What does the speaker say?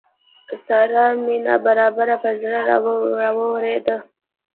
سارا مې ناببره پر زړه را واورېده.